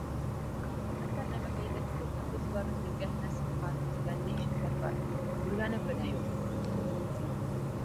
Хәтәр нәмәкәйҙең күп һатыусыларҙың елкәһенә сыҡҡан, тигәнде ишеткән бар, күргәнем генә юҡ.